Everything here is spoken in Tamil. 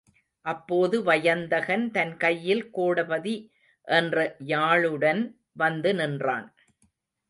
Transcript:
அப்போது வயந்தகன் தன்கையில் கோடபதி என்ற யாழுடன் வந்து நின்றான்.